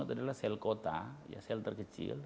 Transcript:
itu adalah sel kota sel terkecil